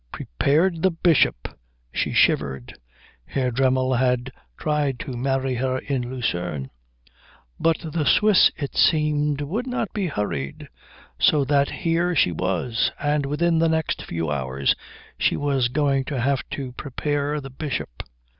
Prepared the Bishop! She shivered. Herr Dremmel had tried to marry her in Lucerne; but the Swiss, it seemed, would not be hurried, so that here she was, and within the next few hours she was going to have to prepare the Bishop.